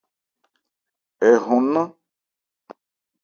Ɛ hɔn nnán.